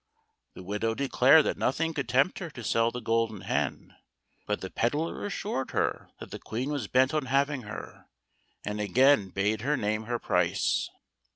The widow declared that nothing could tempt her to sell the Golden Hen, but the pedlar assured her that the Queen was bent on having her, and again bade her name her price.